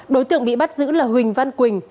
đối tượng bị bắt giữ là huỳnh văn quỳnh